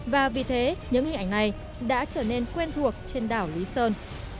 và vì thế những hình ảnh này đã trở nên quen thuộc trên đảo lý sơn